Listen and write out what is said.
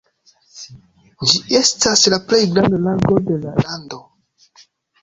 Ĝi estas la plej granda lago de la lando.